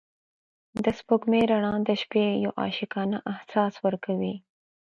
د سپوږمۍ رڼا د شپې یو عاشقانه احساس ورکوي.